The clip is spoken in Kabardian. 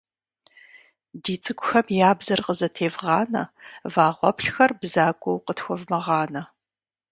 Ди цӀыкӀухэм я бзэр къызэтевгъанэ, вагъуэплъхэр бзагуэу къытхуэвмыгъанэ.